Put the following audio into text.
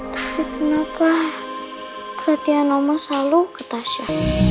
tapi kenapa perhatian omo selalu ke tasya